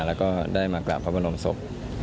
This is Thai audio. แล้วก็ได้มากราบพระบรมศพ